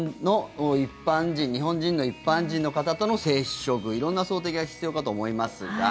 日本人の一般人の方との接触色んな想定が必要かと思いますが。